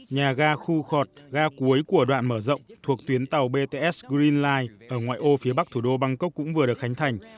nhà ga khu khọt ga cuối của đoạn mở rộng thuộc tuyến tàu bts green life ở ngoại ô phía bắc thủ đô bangkok cũng vừa được khánh thành